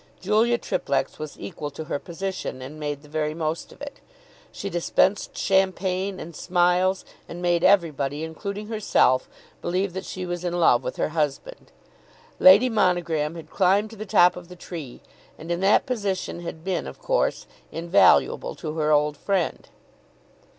Julia Triplex was equal to her position, and made the very most of it. She dispensed champagne and smiles, and made everybody, including herself, believe that she was in love with her husband. Lady Monogram had climbed to the top of the tree, and in that position had been, of course, invaluable to her old friend.